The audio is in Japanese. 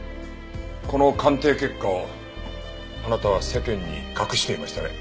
この鑑定結果をあなたは世間に隠していましたね。